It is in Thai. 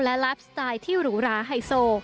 และไลฟ์สไตล์ที่หรูหราไฮโซ